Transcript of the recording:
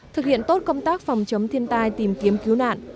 thực hiện tốt công tác phòng chống thiên tai tìm kiếm cứu nạn